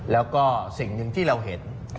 แล้วก็สิ่งหนึ่งที่เราเห็น